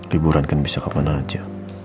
liburan kan bisa kemana aja